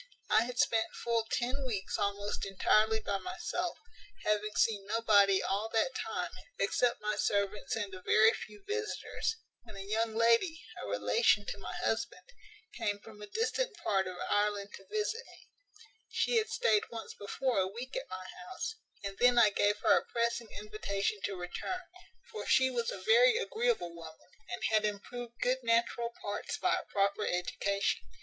"I had spent full ten weeks almost entirely by myself, having seen nobody all that time, except my servants and a very few visitors, when a young lady, a relation to my husband, came from a distant part of Ireland to visit me. She had staid once before a week at my house, and then I gave her a pressing invitation to return; for she was a very agreeable woman, and had improved good natural parts by a proper education.